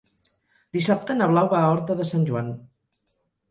Dissabte na Blau va a Horta de Sant Joan.